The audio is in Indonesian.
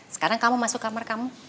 sekarang kamu masuk kamar kamu